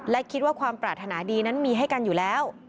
และคิดว่าความปรารถนาดีนั้นมีให้กันอยู่แล้ว